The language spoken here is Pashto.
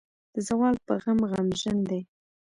د زوال پۀ غم غمژن دے ۔